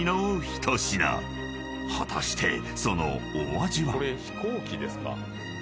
［果たしてそのお味は？］